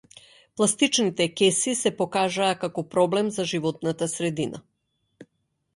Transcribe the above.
Пластичните кеси се покажаа како проблем за животната средина.